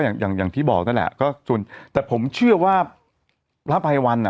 อย่างอย่างที่บอกนั่นแหละก็ส่วนแต่ผมเชื่อว่าพระภัยวันอ่ะ